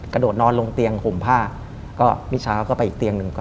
กระโดดนอนลงเตียงห่มผ้าก็มิเช้าก็ไปอีกเตียงหนึ่งก่อน